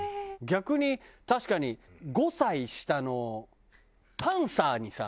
逆に確かに５歳下のパンサーにさ。